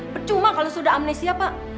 percuma kalau sudah amnesia pak